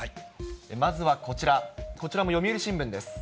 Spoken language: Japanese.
まずはこちら、こちらも読売新聞です。